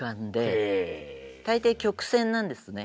大抵曲先なんですね。